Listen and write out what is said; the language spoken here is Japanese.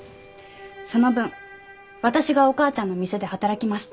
その分私がお母ちゃんの店で働きます。